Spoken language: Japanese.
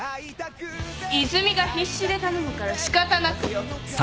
泉が必死で頼むから仕方なくよ。